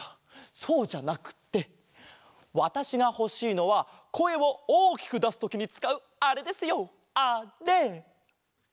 そうじゃなくってわたしがほしいのはこえをおおきくだすときにつかうあれですよあれ！